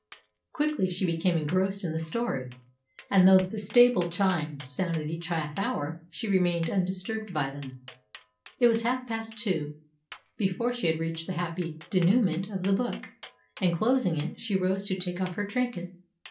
Quickly she became engrossed in the story, and though the stable chimes sounded each half hour she remained undisturbed by them. It was half past two before she had reached the happy dénouement of the book, and, closing it, she rose to take off her trinkets.